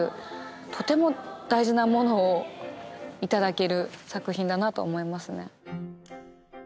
とても大事なものを頂ける作品だなと思いますね。